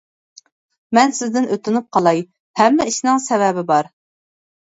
مەن سىزدىن ئۆتۈنۈپ قالاي، ھەممە ئىشنىڭ سەۋەبى بار.